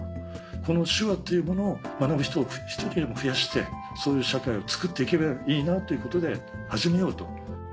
この手話っていうものを学ぶ人を１人でも増やしてそういう社会をつくって行ければいいなということで始めようと。